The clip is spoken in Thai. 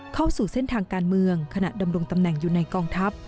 เข้าสู่เส้นทางการเมืองขณะดำรงตำแหน่งอยู่ในกองทัพ